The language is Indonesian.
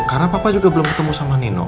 karena papa juga belum ketemu sama nino